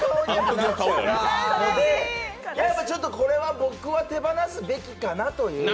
やっぱ、ちょっと僕は手放すべきかなという。